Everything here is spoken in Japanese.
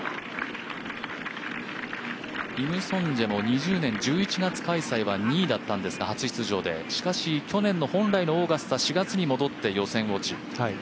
イム・ソンジェも２０年、１１月開催は２位だったんですが、初出場で、しかし去年の本来のオーガスタ４月に戻って、予選落ち。